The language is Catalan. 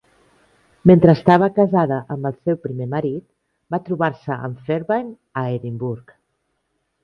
Mentre estava casada amb el seu primer marit va trobar-se amb Fairbairn a Edimburg.